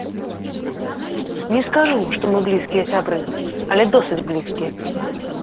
Не скажу, што мы блізкія сябры, але досыць блізкія.